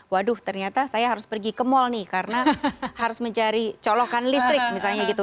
waduh ternyata saya harus pergi ke mall nih karena harus mencari colokan listrik misalnya gitu